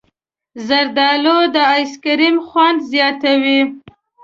زردالو د ایسکریم خوند زیاتوي.